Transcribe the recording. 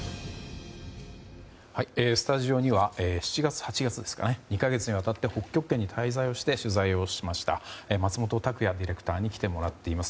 スタジオには７月、８月２か月にわたって北極圏に滞在して取材をしました松本拓也ディレクターに来てもらっています。